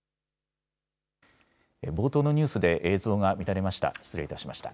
冒頭のニュースで映像が乱れました。